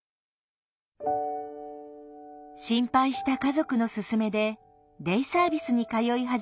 心配した家族の勧めでデイサービスに通い始めた戸上さん。